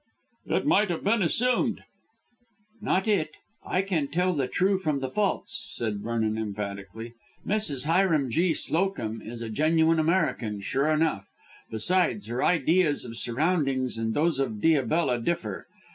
"It might have been assumed." "Not it. I can tell the true from the false," said Vernon emphatically. "Mrs. Hiram G. Slowcomb is a genuine American, sure enough. Besides, her ideas of surroundings and those of Diabella differ.